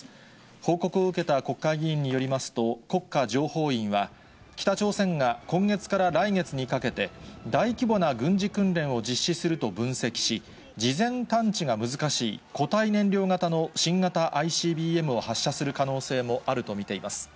報告を受けた国会議員によりますと、国家情報院は、北朝鮮が今月から来月にかけて、大規模な軍事訓練を実施すると分析し、事前探知が難しい固体燃料型の新型ＩＣＢＭを発射する可能性もあると見ています。